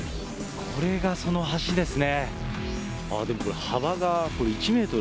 これがその橋ですね。